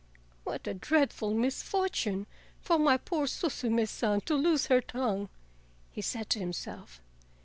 "What a dreadful misfortune for my poor Suzume San to lose her tongue!" he said to himself.